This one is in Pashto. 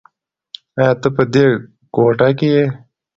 ایا ته په دې کوټه کې یې؟